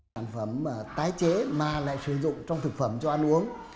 sản phẩm tái chế mà lại sử dụng trong thực phẩm cho ăn uống